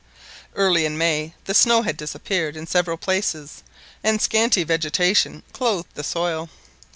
Early in May the snow had disappeared in several places, and a scanty vegetation clothed the soil.